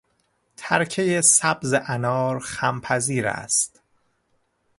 ترکهی سبز انار خمپذیر است.